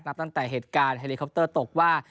ตั้งแต่เหตุการณ์เฮลิคอปเตอร์ตกว่า